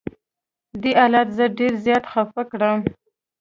دې حالت زه ډېر زیات خفه کړم.